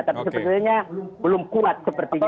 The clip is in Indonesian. tapi sepertinya belum kuat sepertinya